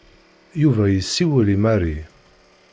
Yuba yessiwel i Mary.